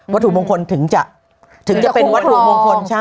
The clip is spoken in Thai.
วัตถุบงคลถึงจะคุกพร้อม